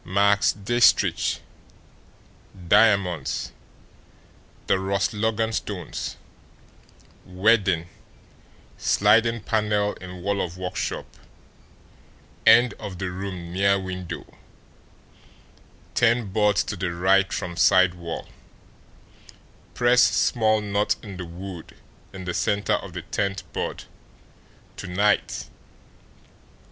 "... Max Diestricht diamonds the Ross Logan stones wedding sliding panel in wall of workshop end of the room near window ten boards to the right from side wall press small knot in the wood in the centre of the tenth board to night